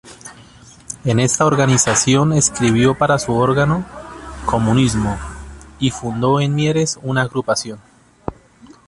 En esta organización escribió para su órgano, "Comunismo", y fundó en Mieres una agrupación.